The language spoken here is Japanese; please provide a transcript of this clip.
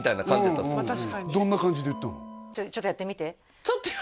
うんうんどんな感じで言ったの？